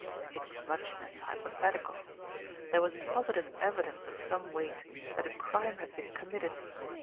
It was much less hypothetical. There was positive evidence of some weight that a crime had been committed.